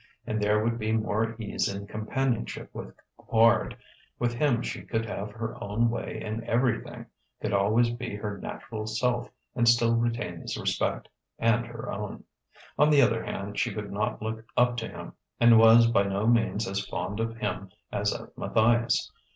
And there would be more ease in companionship with Quard; with him she could have her own way in everything, could always be her natural self and still retain his respect and her own. On the other hand, she could not look up to him, and was by no means as fond of him as of Matthias.